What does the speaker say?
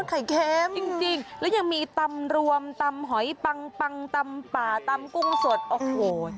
ไข่เค็มจริงแล้วยังมีตำรวมตำหอยปังปังตำป่าตำกุ้งสดโอ้โห